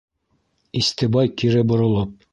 Истебай кире боролоп: